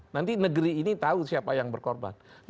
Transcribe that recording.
nanti negeri ini tahu siapa yang berkorban